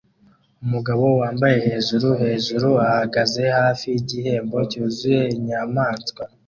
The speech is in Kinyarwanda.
Umugore wambaye hejuru hejuru ahagaze hafi yigihembo cyuzuye inyamaswa